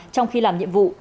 trong khi làm nhiệm vụ